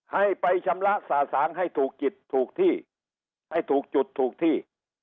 ให้ไปชำระสะสางให้ถูกจิตถูกที่ให้ถูกจุดถูกที่